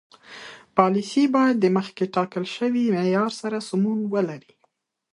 پالیسي باید د مخکې ټاکل شوي معیار سره سمون ولري.